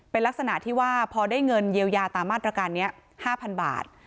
เป็นลักษณะที่ว่าพอได้เงินเยียวยาตามมาตรการนี้๕๐๐๐บาท